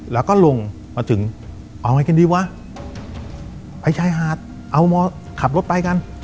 แล้วก็ลงมาถึงเอาไงกันดีวะไปชายหาดเอามอขับรถไปกัน